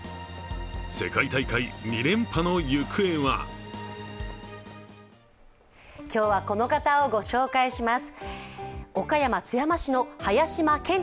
世界大会２連覇の行方は今日はこの方をご紹介します。